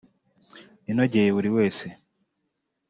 inogeye buri wese